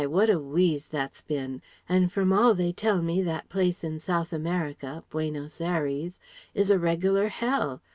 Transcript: what a wheeze that's bin!... And from all they tell me, that place in South America Buenos Aires, is a reg'lar Hell.